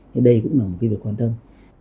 thế đây cũng là một cái việc quan tâm